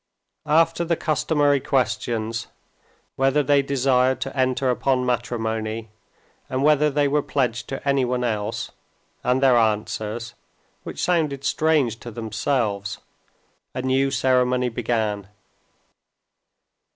After the customary questions, whether they desired to enter upon matrimony, and whether they were pledged to anyone else, and their answers, which sounded strange to themselves, a new ceremony began.